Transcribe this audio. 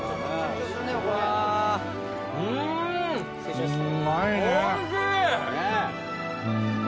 うまいね。